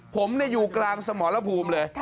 ผมอยู่กลางสมรภูมิเลย